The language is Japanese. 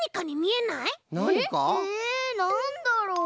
えなんだろう？